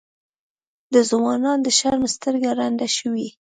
د ځوانانو د شرم سترګه ړنده شوې.